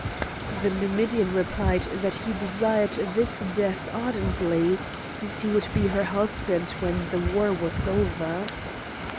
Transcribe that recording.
The Numidian replied that he desired this death ardently, since he would be her husband when the war was over.